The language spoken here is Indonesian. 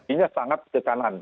ini sangat ke kanan